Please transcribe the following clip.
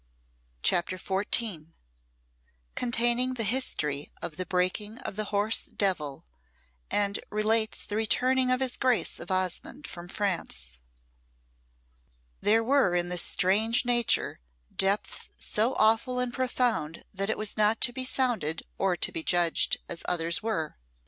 CHAPTER XIV Containing the history of the breaking of the horse Devil, and relates the returning of his Grace of Osmonde from France There were in this strange nature, depths so awful and profound that it was not to be sounded or to be judged as others were.